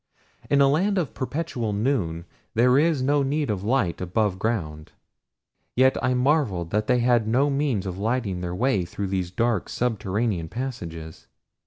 In a land of perpetual noon there is no need of light above ground, yet I marveled that they had no means of lighting their way through these dark, subterranean passages.